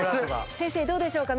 先生どうでしょうか？